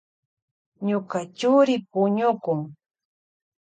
Ñuka churi puñukun.